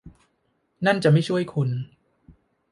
นั่นจะไม่ช่วยคุณ